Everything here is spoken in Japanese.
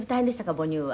母乳は」